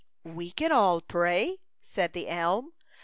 " We can all pray/' said the elm.